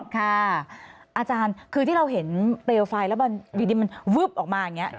ค่ะอาจารย์คือที่เราเห็นแล้วมันดีดีมันออกมาอย่างเงี้ย